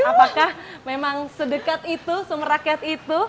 apakah memang sedekat itu sumber rakyat itu